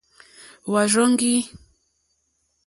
Hwá rzɔ́ŋgí.